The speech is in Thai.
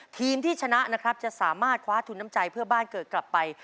ทีมที่ชนะนะครับจะสามารถคว้าทุนน้ำใจเพื่อบ้านเกิดกลับไป